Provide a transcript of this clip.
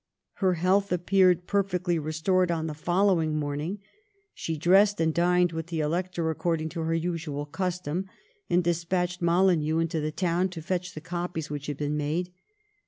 Her health appeared perfectly restored on the following morning. She dressed, and dined with the Elector according to her usual custom, and despatched Molyneux into the town to fetch the copies which had been made.